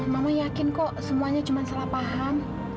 mama yakin kok semuanya cuma salah paham